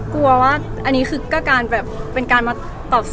จริงรู้สึกตอนที่โดนดาบ